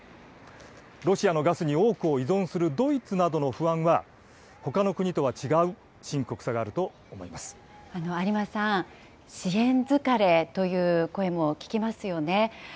ロシアのガスに多くを依存するドイツなどの不安は、ほかの国とは有馬さん、支援疲れという声も聞きますよね。